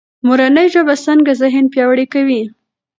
مورنۍ ژبه څنګه ذهن پیاوړی کوي؟